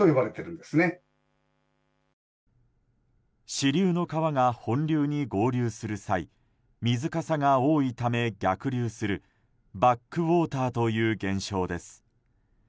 支流の川が本流に合流する際水かさが多いため逆流するバックウォーターという現象です。